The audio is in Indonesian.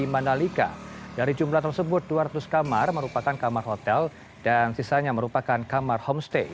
di mandalika dari jumlah tersebut dua ratus kamar merupakan kamar hotel dan sisanya merupakan kamar homestay